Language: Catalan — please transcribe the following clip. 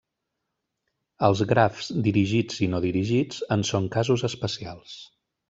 Els grafs dirigits i no dirigits en són casos especials.